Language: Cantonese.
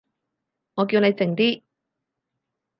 我叫你靜啲